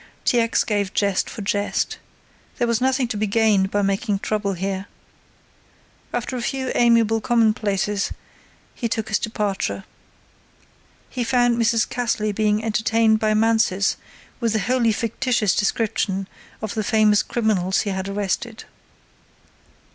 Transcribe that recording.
T. X. gave jest for jest. There was nothing to be gained by making trouble here. After a few amiable commonplaces he took his departure. He found Mrs. Cassley being entertained by Mansus with a wholly fictitious description of the famous criminals he had arrested.